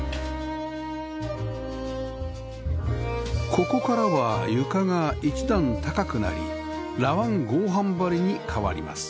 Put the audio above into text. ここからは床が１段高くなりラワン合板張りに変わります